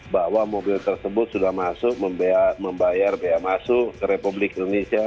bahwa mobil tersebut sudah masuk membayar bea masuk ke republik indonesia